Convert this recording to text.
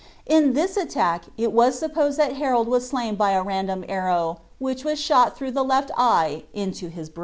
In this attack it was supposed that Harold was slain by a random arrow, which was shot through the left eye into his brain.